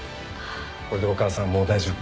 これでお母さんはもう大丈夫。